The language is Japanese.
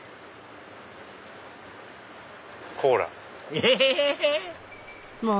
え！